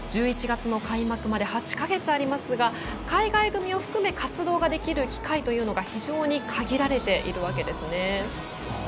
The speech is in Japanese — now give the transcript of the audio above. １１月の開幕まで８か月ありますが海外組を含め、活動できる機会が非常に限られているわけですね。